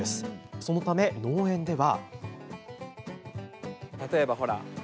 そのため農園では。